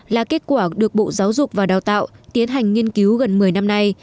là kết quả được bộ giáo dục và đào tạo tiến hành nghiên cứu gần một mươi năm nay